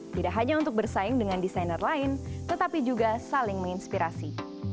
tidak hanya untuk bersaing dengan desainer lain tetapi juga saling menginspirasi